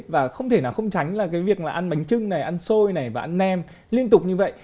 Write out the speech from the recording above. và không thể nào không tránh là cái việc mà ăn bánh trưng này ăn xôi này và ăn nem liên tục như vậy